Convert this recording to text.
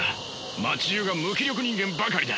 街じゅうが無気力人間ばかりだ。